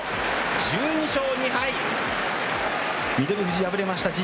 １２勝２敗。